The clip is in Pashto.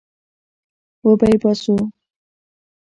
وبې يې باسو.